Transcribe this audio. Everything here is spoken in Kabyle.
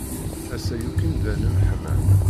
Ass-a yakk imdanen ḥman.